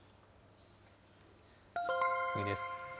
次です。